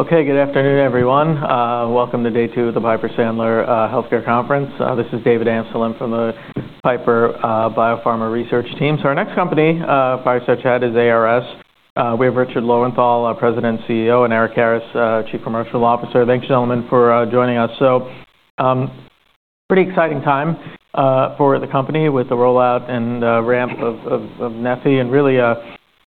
Okay, good afternoon, everyone. Welcome to Day Two of the Piper Sandler Healthcare Conference. This is David Amsellem from the Piper Biopharma Research team. So our next company presentation is ARS. We have Richard Lowenthal, President and CEO, and Eric Karas, Chief Commercial Officer. Thanks, gentlemen, for joining us. So, pretty exciting time for the company with the rollout and ramp of Neffy and really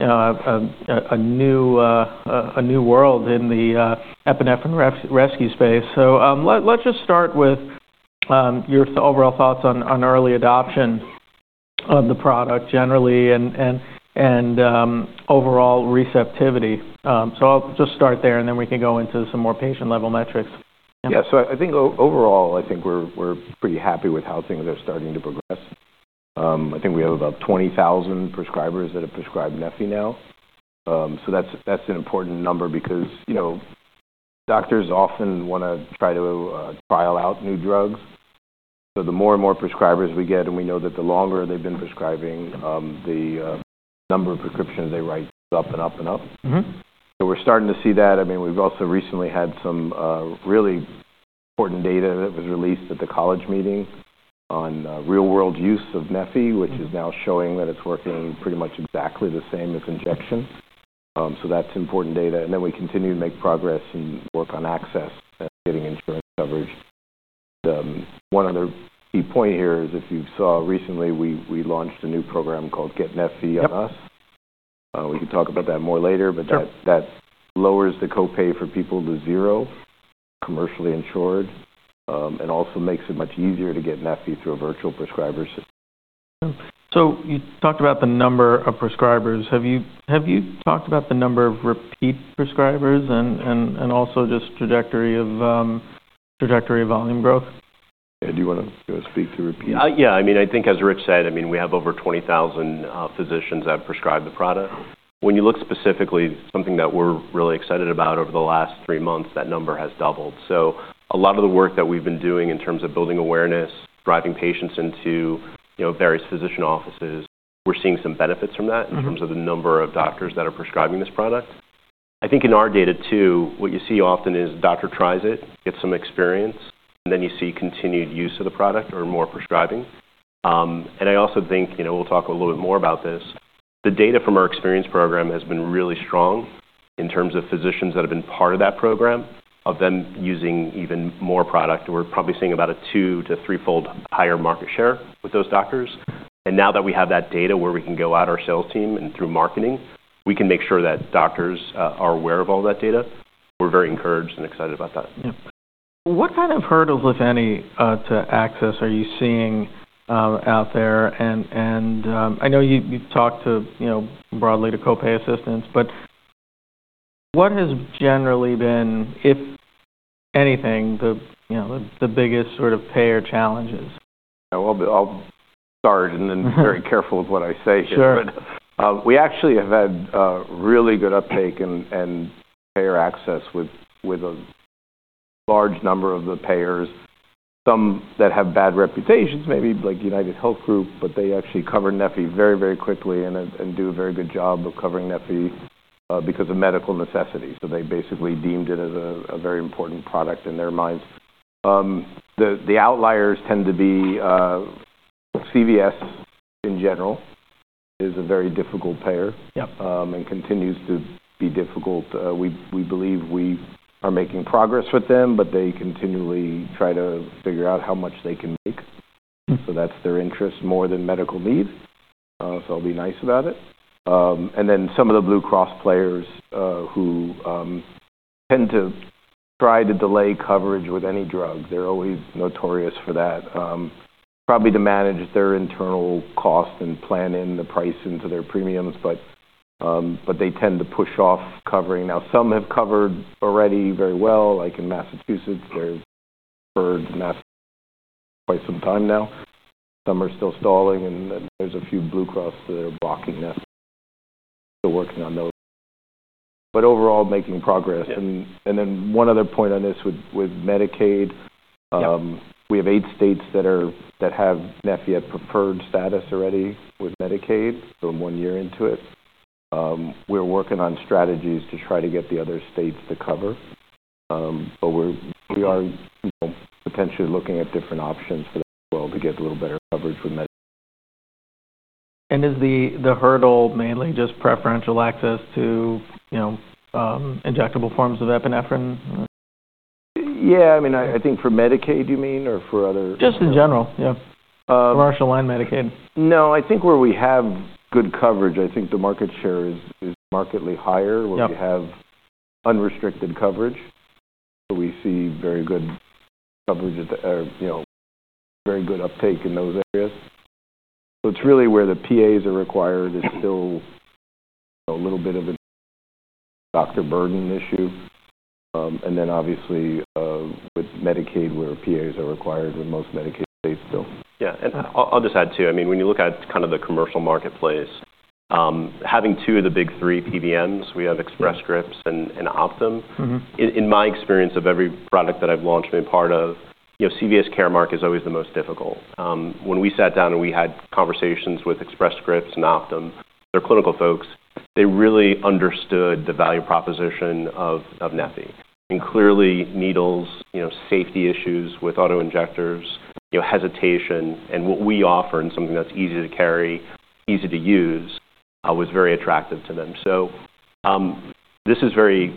a new world in the epinephrine rescue space. So let's just start with your overall thoughts on early adoption of the product generally and overall receptivity. So I'll just start there, and then we can go into some more patient-level metrics. Yeah, so I think overall, I think we're pretty happy with how things are starting to progress. I think we have about 20,000 prescribers that have prescribed Neffy now, so that's an important number because doctors often want to try to trial out new drugs, so the more and more prescribers we get, and we know that the longer they've been prescribing, the number of prescriptions they write is up and up and up, so we're starting to see that. I mean, we've also recently had some really important data that was released at the College meeting on real-world use of Neffy, which is now showing that it's working pretty much exactly the same as injection, so that's important data, and then we continue to make progress and work on access and getting insurance coverage. One other key point here is, if you saw recently, we launched a new program called Get Neffy on Us. We can talk about that more later, but that lowers the copay for people to zero commercially insured and also makes it much easier to get Neffy through a virtual prescriber. So you talked about the number of prescribers. Have you talked about the number of repeat prescribers and also just trajectory of volume growth? Yeah, I mean, I think as Rich said, I mean, we have over 20,000 physicians that have prescribed the product. When you look specifically, something that we're really excited about over the last three months, that number has doubled. So a lot of the work that we've been doing in terms of building awareness, driving patients into various physician offices, we're seeing some benefits from that in terms of the number of doctors that are prescribing this product. I think in our data, too, what you see often is doctor tries it, gets some experience, and then you see continued use of the product or more prescribing. And I also think we'll talk a little bit more about this. The data from our experience program has been really strong in terms of physicians that have been part of that program, of them using even more product. We're probably seeing about a two to threefold higher market share with those doctors. And now that we have that data where we can go out our sales team and through marketing, we can make sure that doctors are aware of all that data. We're very encouraged and excited about that. What kind of hurdles, if any, to access are you seeing out there? And I know you've talked broadly to copay assistance, but what has generally been, if anything, the biggest sort of payer challenges? I'll start and then be very careful of what I say here. But we actually have had really good uptake and payer access with a large number of the payers, some that have bad reputations, maybe like UnitedHealth Group, but they actually cover Neffy very, very quickly and do a very good job of covering Neffy because of medical necessity. So they basically deemed it as a very important product in their minds. The outliers tend to be CVS in general is a very difficult payer and continues to be difficult. We believe we are making progress with them, but they continually try to figure out how much they can make. So that's their interest more than medical need. So I'll be nice about it. And then some of the Blue Cross players who tend to try to delay coverage with any drug. They're always notorious for that, probably to manage their internal cost and plan in the price into their premiums, but they tend to push off covering. Now, some have covered already very well, like in Massachusetts. They've covered quite some time now. Some are still stalling, and there's a few Blue Cross that are blocking Neffy. Still working on those. But overall, making progress, and then one other point on this with Medicaid, we have eight states that have Neffy at preferred status already with Medicaid, so one year into it. We're working on strategies to try to get the other states to cover, but we are potentially looking at different options for that as well to get a little better coverage with Medicaid. Is the hurdle mainly just preferential access to injectable forms of epinephrine? Yeah, I mean, I think for Medicaid, you mean, or for other? Just in general, yeah. Commercial and Medicaid. No, I think where we have good coverage, I think the market share is markedly higher where we have unrestricted coverage. So we see very good coverage or very good uptake in those areas. So it's really where the PAs are required. It's still a little bit of a doctor burden issue. And then obviously with Medicaid, where PAs are required, with most Medicaid states still. Yeah. And I'll just add too. I mean, when you look at kind of the commercial marketplace, having two of the big three PBMs, we have Express Scripts and Optum. In my experience of every product that I've launched and been part of, CVS Caremark is always the most difficult. When we sat down and we had conversations with Express Scripts and Optum, their clinical folks, they really understood the value proposition of Neffy. And clearly, needles, safety issues with auto-injectors, hesitation, and what we offer and something that's easy to carry, easy to use, was very attractive to them. So this is very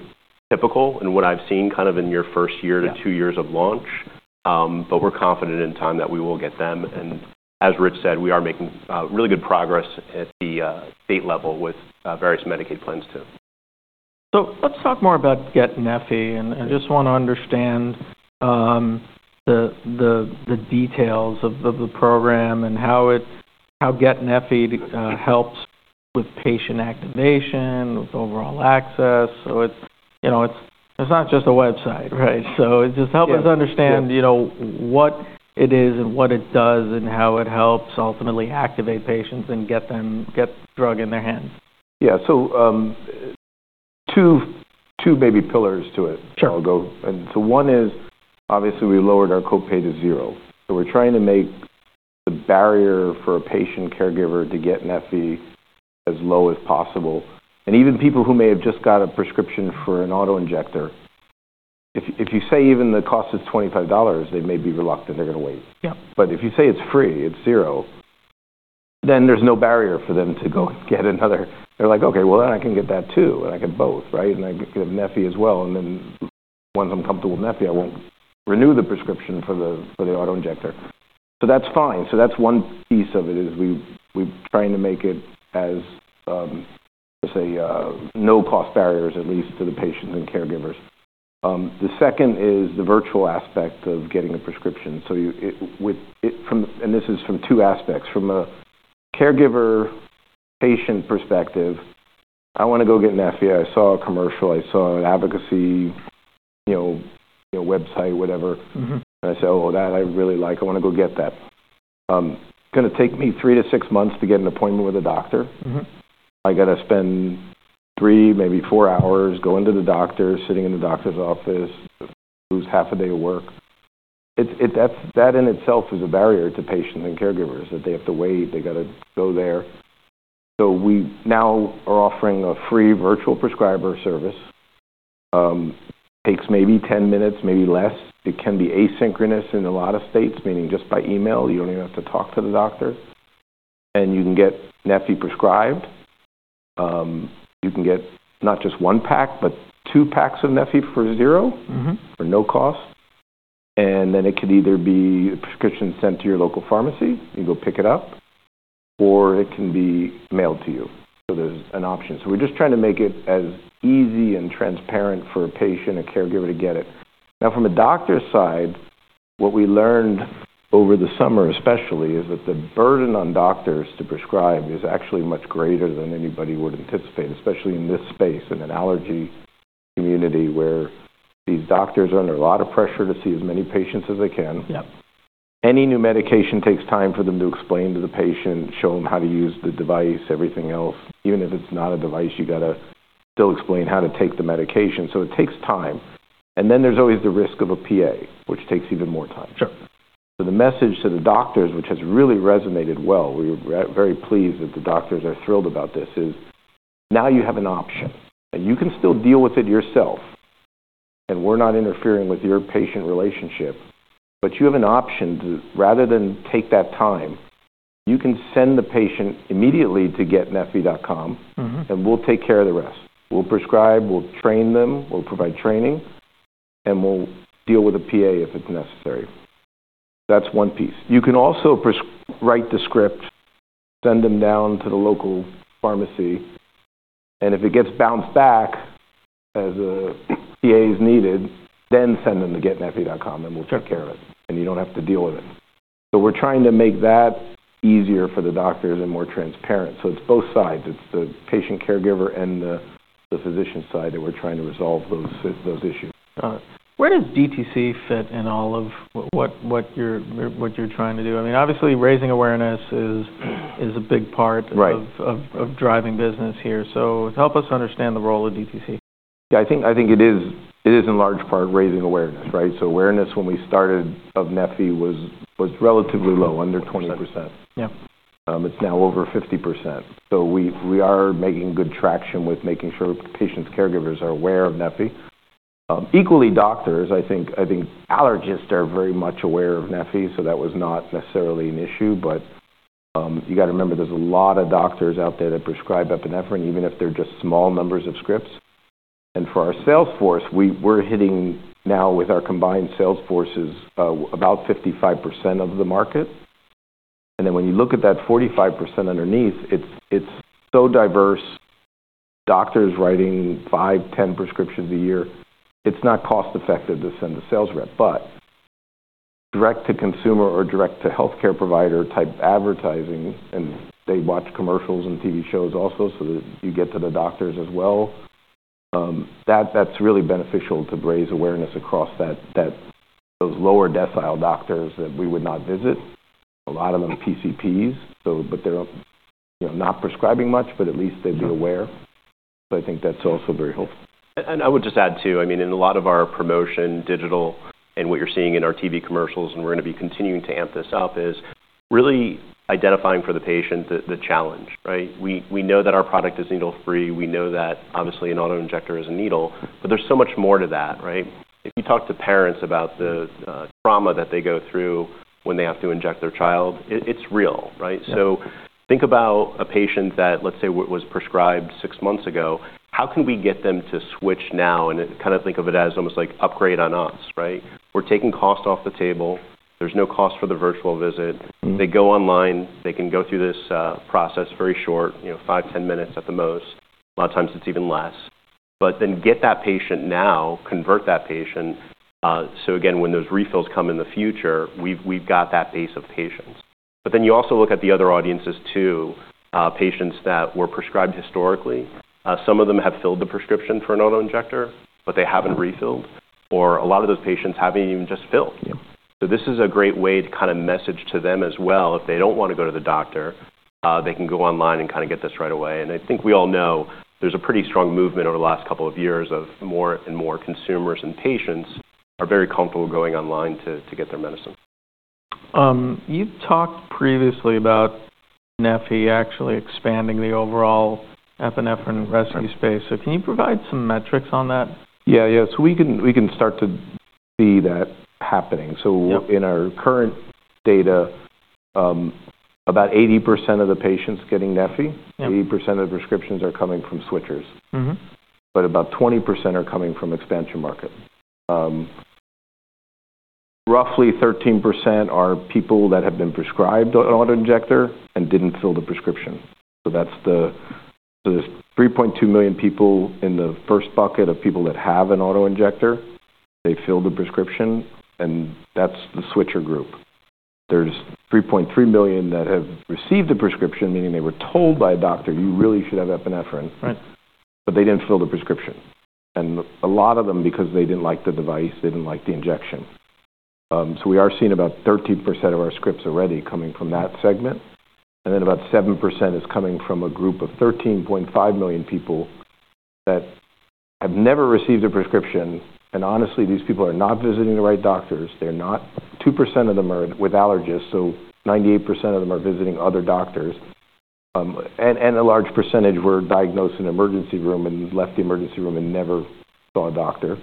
typical in what I've seen kind of in your first year to two years of launch, but we're confident in time that we will get them. And as Rich said, we are making really good progress at the state level with various Medicaid plans too. So let's talk more about Get Neffy, and I just want to understand the details of the program and how Get Neffy helps with patient activation, with overall access. So it's not just a website, right? So just help us understand what it is and what it does and how it helps ultimately activate patients and get drug in their hands. Yeah, so two maybe pillars to it. And so one is, obviously, we lowered our copay to zero. So we're trying to make the barrier for a patient caregiver to get Neffy as low as possible. And even people who may have just got a prescription for an auto-injector, if you say even the cost is $25, they may be reluctant. They're going to wait. But if you say it's free, it's zero, then there's no barrier for them to go get another. They're like, "Okay, well, then I can get that too, and I can both, right? And I can get Neffy as well. And then once I'm comfortable with Neffy, I won't renew the prescription for the auto-injector." So that's fine. So that's one piece of it is we're trying to make it as, let's say, no-cost barriers, at least to the patients and caregivers. The second is the virtual aspect of getting a prescription, and this is from two aspects. From a caregiver-patient perspective, I want to go get Neffy. I saw a commercial. I saw an advocacy website, whatever, and I said, "Oh, that I really like. I want to go get that." It's going to take me three to six months to get an appointment with a doctor. I got to spend three, maybe four hours going to the doctor, sitting in the doctor's office, lose half a day of work. That in itself is a barrier to patients and caregivers that they have to wait. They got to go there, so we now are offering a free virtual prescriber service. Takes maybe 10 minutes, maybe less. It can be asynchronous in a lot of states, meaning just by email. You don't even have to talk to the doctor. And you can get Neffy prescribed. You can get not just one pack, but two packs of Neffy for zero, for no cost. And then it could either be a prescription sent to your local pharmacy. You go pick it up, or it can be mailed to you. So there's an option. So we're just trying to make it as easy and transparent for a patient, a caregiver to get it. Now, from a doctor's side, what we learned over the summer, especially, is that the burden on doctors to prescribe is actually much greater than anybody would anticipate, especially in this space, in an allergy community where these doctors are under a lot of pressure to see as many patients as they can. Any new medication takes time for them to explain to the patient, show them how to use the device, everything else. Even if it's not a device, you got to still explain how to take the medication, so it takes time, and then there's always the risk of a PA, which takes even more time. The message to the doctors, which has really resonated well, we're very pleased that the doctors are thrilled about this, is now you have an option. You can still deal with it yourself, and we're not interfering with your patient relationship, but you have an option to, rather than take that time, you can send the patient immediately to getNeffy.com, and we'll take care of the rest. We'll prescribe, we'll train them, we'll provide training, and we'll deal with a PA if it's necessary. That's one piece. You can also write the script, send them down to the local pharmacy, and if it gets bounced back as a PA is needed, then send them to getNeffy.com, and we'll take care of it, and you don't have to deal with it. So we're trying to make that easier for the doctors and more transparent. So it's both sides. It's the patient caregiver and the physician side that we're trying to resolve those issues. Where does DTC fit in all of what you're trying to do? I mean, obviously, raising awareness is a big part of driving business here. So help us understand the role of DTC. Yeah, I think it is in large part raising awareness, right? So awareness when we started of Neffy was relatively low, under 20%. It's now over 50%. So we are making good traction with making sure patients' caregivers are aware of Neffy. Equally, doctors, I think allergists are very much aware of Neffy, so that was not necessarily an issue. But you got to remember, there's a lot of doctors out there that prescribe epinephrine, even if they're just small numbers of scripts. And for our salesforce, we're hitting now with our combined salesforces about 55% of the market. And then when you look at that 45% underneath, it's so diverse. Doctors writing five, 10 prescriptions a year. It's not cost-effective to send the sales rep, but direct-to-consumer or direct-to-healthcare provider type advertising, and they watch commercials and TV shows also so that you get to the doctors as well. That's really beneficial to raise awareness across those lower decile doctors that we would not visit. A lot of them are PCPs, but they're not prescribing much, but at least they'd be aware. So I think that's also very helpful. And I would just add too, I mean, in a lot of our promotion digital and what you're seeing in our TV commercials, and we're going to be continuing to amp this up, is really identifying for the patient the challenge, right? We know that our product is needle-free. We know that obviously an auto-injector is a needle, but there's so much more to that, right? If you talk to parents about the trauma that they go through when they have to inject their child, it's real, right? So think about a patient that, let's say, was prescribed six months ago. How can we get them to switch now? And kind of think of it as almost like upgrade on us, right? We're taking cost off the table. There's no cost for the virtual visit. They go online. They can go through this process very short, five, 10 minutes at the most. A lot of times it's even less. But then get that patient now, convert that patient. So again, when those refills come in the future, we've got that base of patients. But then you also look at the other audiences too, patients that were prescribed historically. Some of them have filled the prescription for an auto-injector, but they haven't refilled, or a lot of those patients haven't even just filled. So this is a great way to kind of message to them as well. If they don't want to go to the doctor, they can go online and kind of get this right away. I think we all know there's a pretty strong movement over the last couple of years of more and more consumers and patients are very comfortable going online to get their medicine. You've talked previously about Neffy actually expanding the overall epinephrine market space. So can you provide some metrics on that? Yeah, yeah. So we can start to see that happening. So in our current data, about 80% of the patients getting Neffy, 80% of the prescriptions are coming from switchers, but about 20% are coming from expansion market. Roughly 13% are people that have been prescribed an auto-injector and didn't fill the prescription. So there's 3.2 million people in the first bucket of people that have an auto-injector. They fill the prescription, and that's the switcher group. There's 3.3 million that have received the prescription, meaning they were told by a doctor, "You really should have epinephrine," but they didn't fill the prescription. And a lot of them because they didn't like the device, they didn't like the injection. So we are seeing about 13% of our scripts already coming from that segment. And then about 7% is coming from a group of 13.5 million people that have never received a prescription. And honestly, these people are not visiting the right doctors. They're not. 2% of them are with allergists, so 98% of them are visiting other doctors. And a large percentage were diagnosed in the emergency room and left the emergency room and never saw a doctor.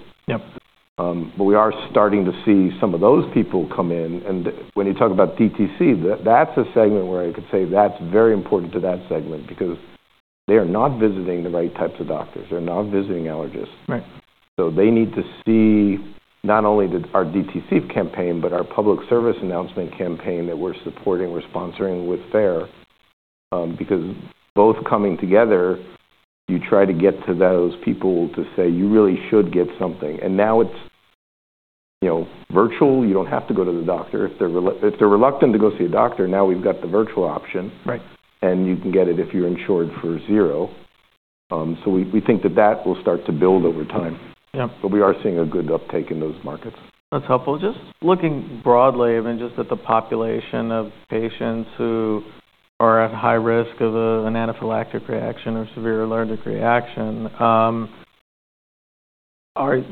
But we are starting to see some of those people come in. And when you talk about DTC, that's a segment where I could say that's very important to that segment because they are not visiting the right types of doctors. They're not visiting allergists. So they need to see not only our DTC campaign, but our public service announcement campaign that we're supporting, we're sponsoring with FARE because both coming together, you try to get to those people to say, "You really should get something." And now it's virtual. You don't have to go to the doctor. If they're reluctant to go see a doctor, now we've got the virtual option, and you can get it if you're insured for zero. So we think that that will start to build over time. But we are seeing a good uptake in those markets. That's helpful. Just looking broadly, I mean, just at the population of patients who are at high risk of an anaphylactic reaction or severe allergic reaction,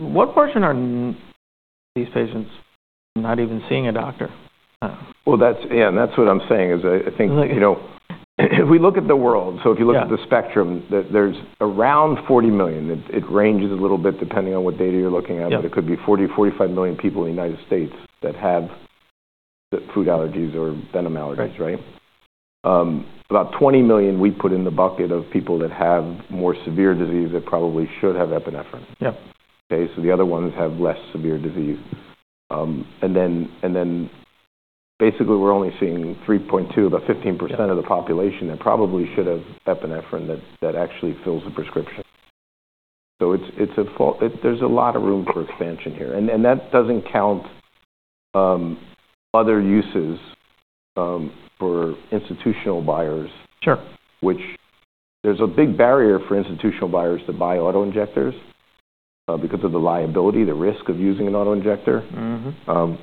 what portion are these patients not even seeing a doctor? Yeah, and that's what I'm saying is I think if we look at the world. So if you look at the spectrum, there's around 40 million. It ranges a little bit depending on what data you're looking at, but it could be 40-45 million people in the United States that have food allergies or venom allergies, right? About 20 million we put in the bucket of people that have more severe disease that probably should have epinephrine. Okay? The other ones have less severe disease. And then basically, we're only seeing 3.2, about 15% of the population that probably should have epinephrine that actually fills the prescription. There's a lot of room for expansion here. That doesn't count other uses for institutional buyers, which there's a big barrier for institutional buyers to buy auto-injectors because of the liability, the risk of using an auto-injector.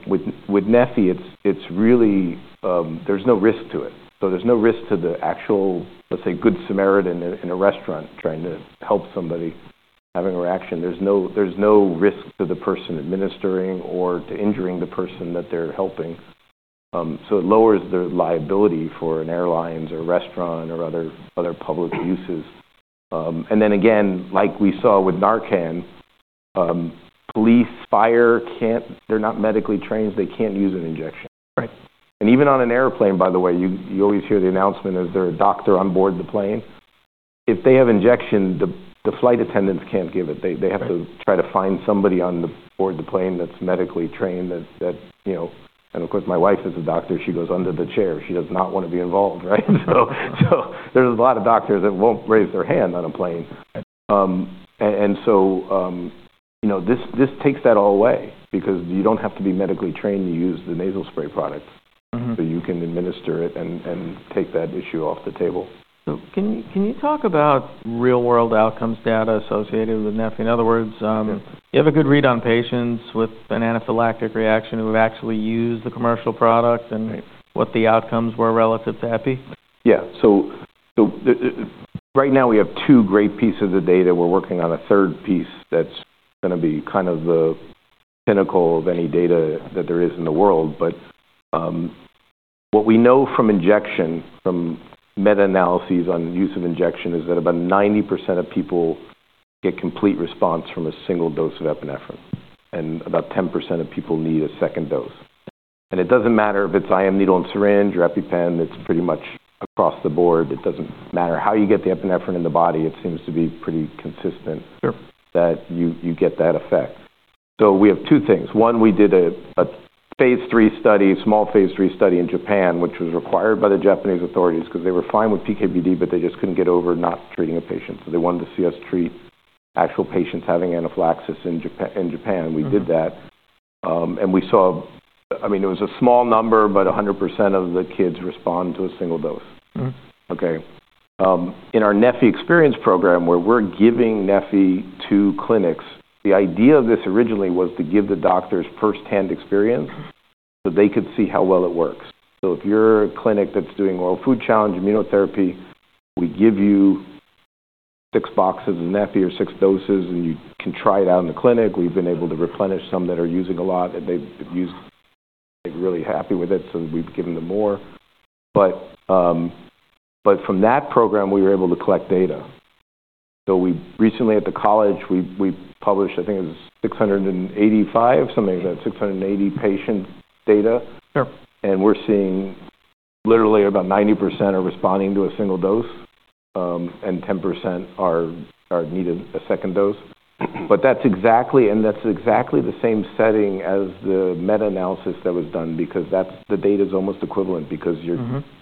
With Neffy, there's no risk to it. So there's no risk to the actual, let's say, Good Samaritan in a restaurant trying to help somebody having a reaction. There's no risk to the person administering or to injuring the person that they're helping. So it lowers their liability for an airline or a restaurant or other public uses. And then again, like we saw with Narcan, police, fire, they're not medically trained. They can't use an injection. And even on an airplane, by the way, you always hear the announcement as they're a doctor on board the plane. If they have injection, the flight attendants can't give it. They have to try to find somebody on board the plane that's medically trained, and of course, my wife is a doctor. She goes under the chair. She does not want to be involved, right? So there's a lot of doctors that won't raise their hand on a plane. And so this takes that all away because you don't have to be medically trained to use the nasal spray products. So you can administer it and take that issue off the table. So can you talk about real-world outcomes data associated with Neffy? In other words, you have a good read on patients with an anaphylactic reaction who have actually used the commercial product and what the outcomes were relative to Neffy? Yeah. So right now, we have two great pieces of data. We're working on a third piece that's going to be kind of the pinnacle of any data that there is in the world. But what we know from injection, from meta-analyses on use of injection, is that about 90% of people get complete response from a single dose of epinephrine, and about 10% of people need a second dose. And it doesn't matter if it's IM, needle, and syringe or EpiPen. It's pretty much across the board. It doesn't matter how you get the epinephrine in the body. It seems to be pretty consistent that you get that effect. So we have two things. One, we did a phase III study, small phase III study in Japan, which was required by the Japanese authorities because they were fine with PK/PD, but they just couldn't get over not treating a patient. So they wanted to see us treat actual patients having anaphylaxis in Japan. We did that. And we saw, I mean, it was a small number, but 100% of the kids respond to a single dose. Okay? In our Neffy Experience Program, where we're giving Neffy to clinics, the idea of this originally was to give the doctors firsthand experience so they could see how well it works. So if you're a clinic that's doing oral food challenge immunotherapy, we give you six boxes of Neffy or six doses, and you can try it out in the clinic. We've been able to replenish some that are using a lot, and they've used it. They're really happy with it, so we've given them more, but from that program, we were able to collect data, so recently at the college, we published, I think it was 685, something like that, 680 patient data. And we're seeing literally about 90% are responding to a single dose, and 10% needed a second dose, but that's exactly the same setting as the meta-analysis that was done because the data is almost equivalent because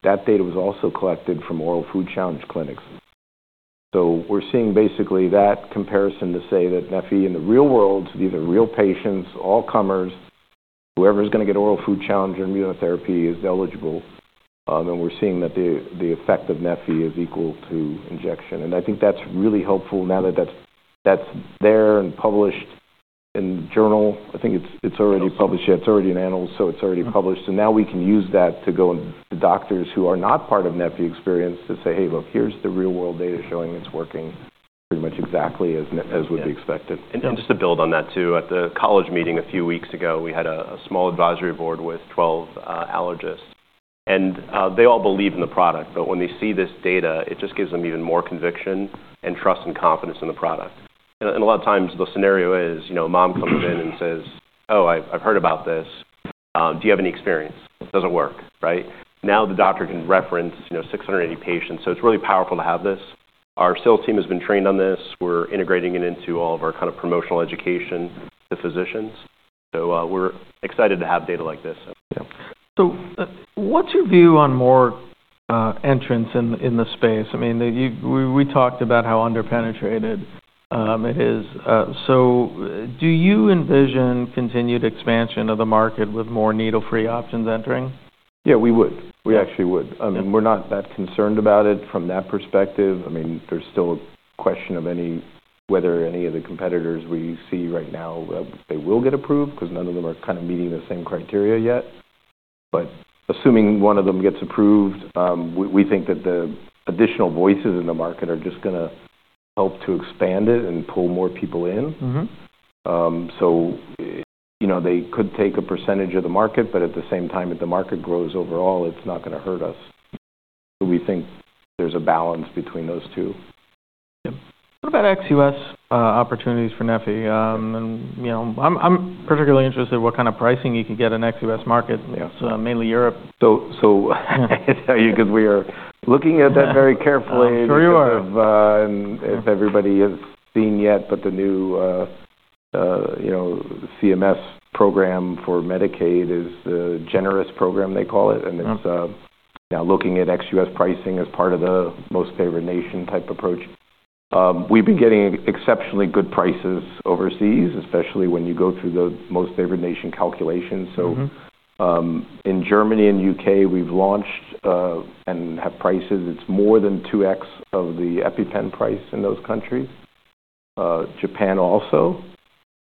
that data was also collected from oral food challenge clinics, so we're seeing basically that comparison to say that Neffy in the real world, these are real patients, all comers. Whoever's going to get oral food challenge immunotherapy is eligible, and we're seeing that the effect of Neffy is equal to injection, and I think that's really helpful now that that's there and published in the journal. I think it's already published. Yeah, it's already in Annals, so it's already published. So now we can use that to go to doctors who are not part of Neffy experience to say, "Hey, look, here's the real-world data showing it's working pretty much exactly as would be expected. And just to build on that too, at the College meeting a few weeks ago, we had a small advisory board with 12 allergists, and they all believe in the product, but when they see this data, it just gives them even more conviction and trust and confidence in the product, and a lot of times, the scenario is mom comes in and says, "Oh, I've heard about this. Do you have any experience? Does it work?" Right? Now the doctor can reference 680 patients, so it's really powerful to have this. Our sales team has been trained on this. We're integrating it into all of our kind of promotional education to physicians, so we're excited to have data like this. Yeah. So what's your view on more entrance in the space? I mean, we talked about how underpenetrated it is. So do you envision continued expansion of the market with more needle-free options entering? Yeah, we would. We actually would. I mean, we're not that concerned about it from that perspective. I mean, there's still a question of whether any of the competitors we see right now, they will get approved because none of them are kind of meeting the same criteria yet. But assuming one of them gets approved, we think that the additional voices in the market are just going to help to expand it and pull more people in. So they could take a percentage of the market, but at the same time, if the market grows overall, it's not going to hurt us. So we think there's a balance between those two. Yeah. What about ex-US opportunities for Neffy? I'm particularly interested in what kind of pricing you can get in ex-US market, mainly Europe. I tell you because we are looking at that very carefully in terms of if everybody has seen yet, but the new CMS program for Medicaid is the generous program, they call it. And it's now looking at ex-US pricing as part of the most favored nation type approach. We've been getting exceptionally good prices overseas, especially when you go through the most favored nation calculations. So in Germany and UK, we've launched and have prices. It's more than 2x of the EpiPen price in those countries. Japan also.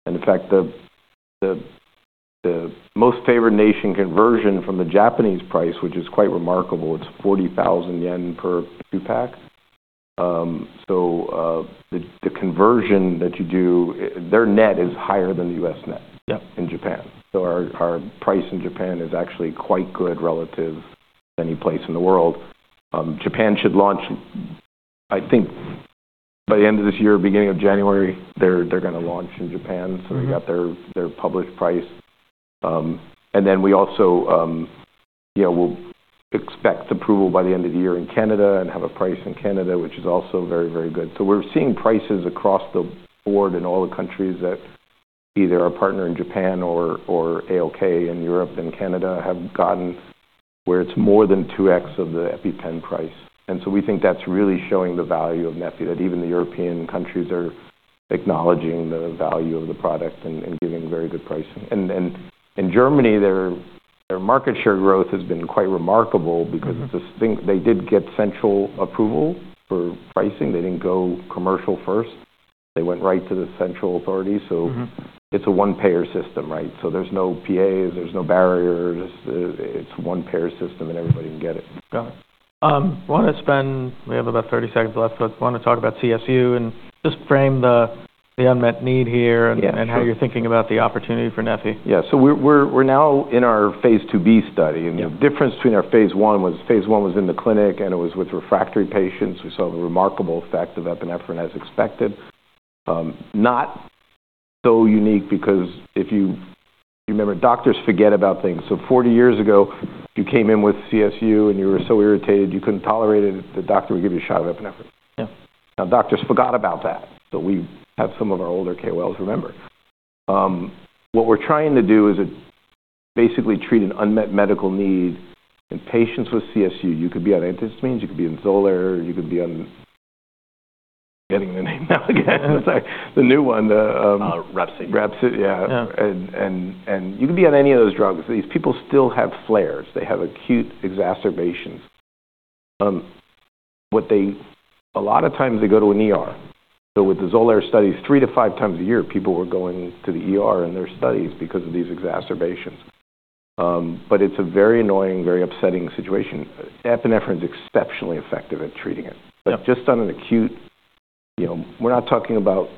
And in fact, the most favored nation conversion from the Japanese price, which is quite remarkable, it's 40,000 yen per two pack. So the conversion that you do, their net is higher than the US net in Japan. So our price in Japan is actually quite good relative to any place in the world. Japan should launch, I think, by the end of this year, beginning of January. They're going to launch in Japan. We got their published price. We also will expect approval by the end of the year in Canada and have a price in Canada, which is also very, very good. We're seeing prices across the board in all the countries that either are a partner in Japan or AOK in Europe and Canada have gotten where it's more than 2x of the EpiPen price. We think that's really showing the value of Neffy, that even the European countries are acknowledging the value of the product and giving very good pricing. In Germany, their market share growth has been quite remarkable because they did get central approval for pricing. They didn't go commercial first. They went right to the central authority. So it's a one-payer system, right? So there's no PAs. There's no barriers. It's a one-payer system, and everybody can get it. Got it. I want to spend, we have about 30 seconds left, but I want to talk about CSU and just frame the unmet need here and how you're thinking about the opportunity for Neffy. Yeah. We're now in our phase IIb study. The difference between our phase I was in the clinic, and it was with refractory patients. We saw the remarkable effect of epinephrine as expected. Not so unique because if you remember, doctors forget about things. 40 years ago, you came in with CSU, and you were so irritated you couldn't tolerate it, the doctor would give you a shot of epinephrine. Now, doctors forgot about that. We have some of our older KOLs remember. What we're trying to do is basically treat an unmet medical need in patients with CSU. You could be on antihistamines. You could be on Xolair. You could be on, I'm forgetting the name now again. Sorry. The new one. Repcit. it, yeah. And you could be on any of those drugs. These people still have flares. They have acute exacerbations. A lot of times, they go to an ER. So with the Xolair studies, three to five times a year, people were going to the ER in their studies because of these exacerbations. But it is a very annoying, very upsetting situation. Epinephrine is exceptionally effective at treating it. But just on an acute, we are not talking about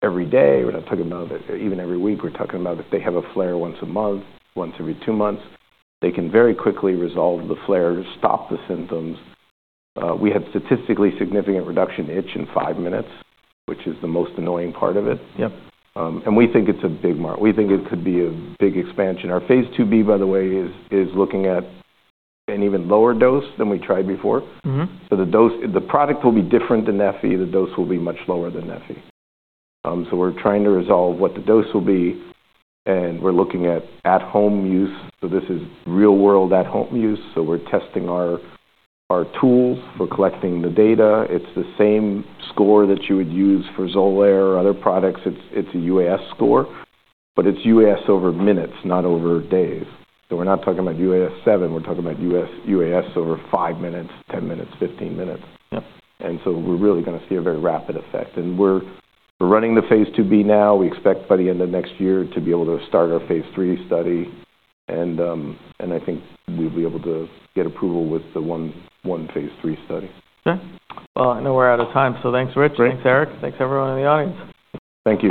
every day. We are not talking about even every week. We are talking about if they have a flare once a month, once every two months, they can very quickly resolve the flare, stop the symptoms. We had statistically significant reduction in itch in five minutes, which is the most annoying part of it. And we think it is a big market. We think it could be a big expansion. Our phase IIb, by the way, is looking at an even lower dose than we tried before, so the product will be different than Neffy. The dose will be much lower than Neffy, so we're trying to resolve what the dose will be, and we're looking at at-home use, so this is real-world at-home use. So we're testing our tools for collecting the data. It's the same score that you would use for Xolair or other products. It's a UAS score, but it's UAS over minutes, not over days, so we're not talking about UAS7. We're talking about UAS over five minutes, 10 minutes, 15 minutes, and so we're really going to see a very rapid effect, and we're running the phase IIb now. We expect by the end of next year to be able to start our phase III study. I think we'll be able to get approval with the one phase III study. Okay, well, I know we're out of time, so thanks, Rich. Thanks, Eric. Thanks, everyone in the audience. Thank you.